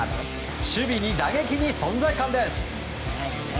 守備に打撃に存在感です。